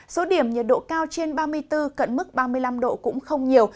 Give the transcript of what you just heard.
số điểm nhiệt độ cao trên ba mươi bốn cận mức ba mươi năm độ cũng không nhiều